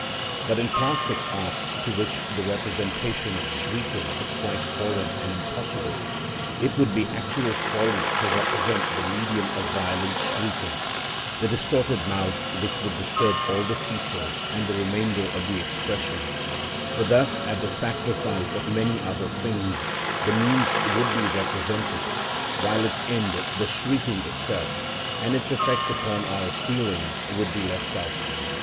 But in plastic art, to which the representation of shrieking is quite foreign and impossible, it would be actual folly to represent the medium of violent shrieking, the distorted mouth, which would disturb all the features and the remainder of the expression; for thus at the sacrifice of many other things the means would be represented, while its end, the shrieking itself, and its effect upon our feelings, would be left out.